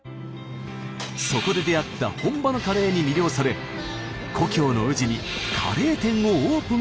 そこで出会った本場のカレーに魅了され故郷の宇治にカレー店をオープンさせました。